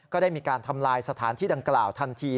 ก็ได้มีการทำลายสถานที่ดังกล่าวทันที